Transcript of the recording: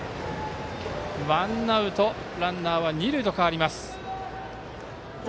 ワンアウト、ランナーは二塁へと変わります。